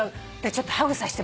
ちょっとハグさせて。